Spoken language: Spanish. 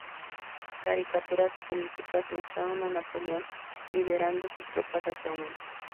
Caricaturas políticas mostraron a Napoleón liderando sus tropas hacia una.